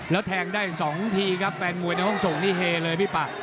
แล้วแทงได้๒ทีครับแฟนมวยในห้องส่งนี่เฮเลยพี่ปะ